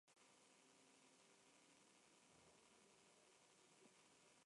Los Alabarderos Reales del Virrey estuvieron presentes durante toda la historia colonial.